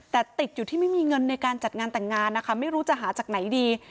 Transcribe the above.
แต่ติดอยู่ที่ไม่มีเงินในการจัดงานแต่งงานนะคะไม่รู้จะหาจากไหนดี